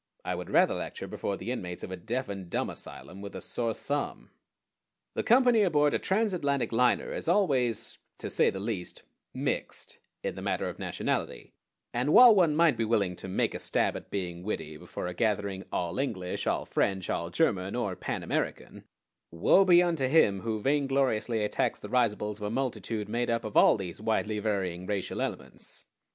I would rather lecture before the inmates of a deaf and dumb asylum with a sore thumb. The company aboard a transatlantic liner is always, to say the least, "mixed" in the matter of nationality; and, while one might be willing to "make a stab" at being witty before a gathering all English, all French, all German, or Pan American, woe be unto him who vaingloriously attacks the risibles of a multitude made up of all these widely varying racial elements!